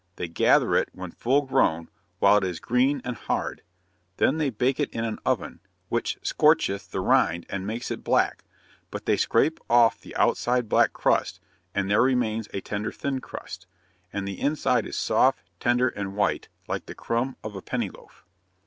They gather it, when full grown, while it is green and hard; then they bake it in an oven, which scorcheth the rind and makes it black, but they scrape off the outside black crust, and there remains a tender thin crust; and the inside is soft, tender, and white, like the crumb of a penny loaf.